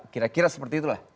kira kira seperti itulah